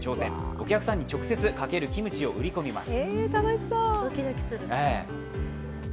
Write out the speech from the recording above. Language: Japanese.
お客さんに直接×キムチを売り込みます。